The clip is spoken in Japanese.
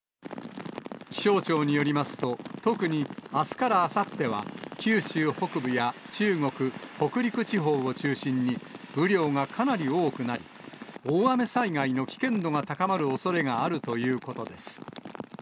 気象庁によりますと、特にあすからあさっては、九州北部や中国、北陸地方を中心に、雨量がかなり多くなり、大雨災害の危険度が高まるおそれがあるということです。